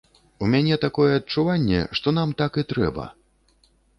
У мяне такое адчуванне, што нам так і трэба.